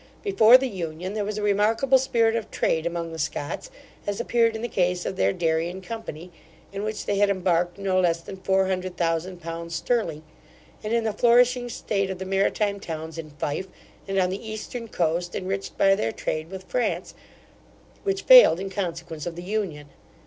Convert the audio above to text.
Before the union, there was a remarkable spirit of trade among the Scots, as appeared in the case of their Darien company, in which they had embarked no less than four hundred thousand pounds sterling; and in the flourishing state of the maritime towns in Fife, and on the eastern coast, enriched by their trade with France, which failed in consequence of the union.